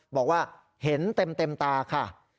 บอกว่าเห็นเต็มตาค่ะ